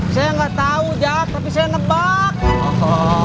saya gak tau jack tapi saya nebak